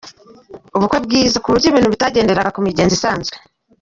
Ubukwe bwiza, ku buryo ibintu bitagenderaga ku migenzo isanzwe.